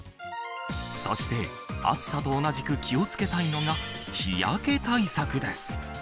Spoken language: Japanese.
そして、暑さと同じく気をつけたいのが、日焼け対策です。